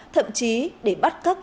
thậm chí để bắt cắt tống tiền